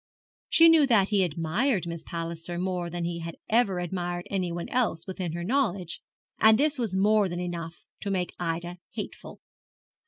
She knew that he admired Miss Palliser more than he had ever admired anyone else within her knowledge, and this was more than enough to make Ida hateful.